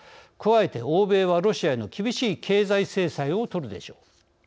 加えて欧米は、ロシアへの厳しい経済制裁を取るでしょう。